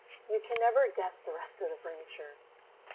You can never guess the rest of the furniture.